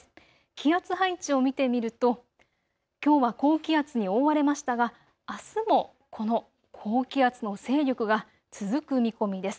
気圧配置を見てみるときょうは高気圧に覆われましたがあすもこの高気圧の勢力が続く見込みです。